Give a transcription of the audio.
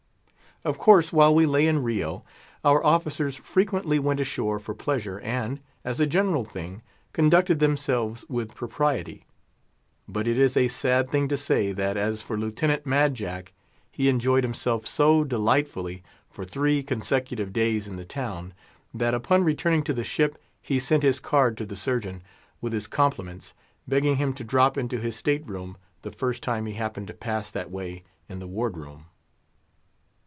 Of course while we lay in Rio, our officers frequently went ashore for pleasure, and, as a general thing, conducted themselves with propriety. But it is a sad thing to say, that, as for Lieutenant Mad Jack, he enjoyed himself so delightfully for three consecutive days in the town, that, upon returning to the ship, he sent his card to the Surgeon, with his compliments, begging him to drop into his state room the first time he happened to pass that way in the ward room.